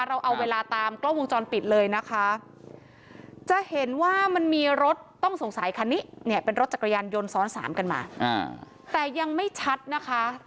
เราเอาเวลาตามกล้องวงจรปิดเลยนะคะ